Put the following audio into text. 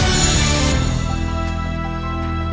มีเวลาเลือกทั้งสิ้น๔๐นิดหน่อย